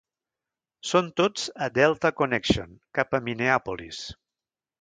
Son tots a Delta Connection cap a Minneapolis.